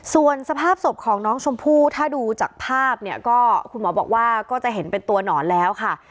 ส่วนสภาพศพของน้องชมพู่ถ้าดูจากภาพเนี่ยก็คุณหมอบอกว่าก็จะเห็นเป็นตัวหนอนแล้วค่ะ